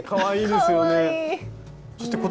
かわいいですよね。